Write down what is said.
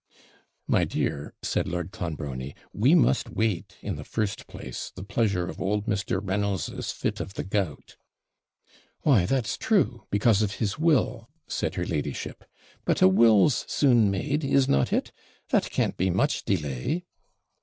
'My dear,' said Lord Clonbrony, 'we must wait, in the first place, the pleasure of old Mr. Reynolds's fit of the gout.' 'Why, that's true, because of his will,' said her ladyship; 'but a will's soon made, is not it? That can't be much delay.'